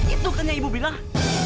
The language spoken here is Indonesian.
itu kan yang ibu bilang